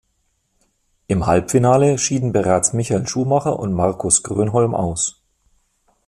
Im Halbfinale schieden bereits Michael Schumacher und Marcus Grönholm aus.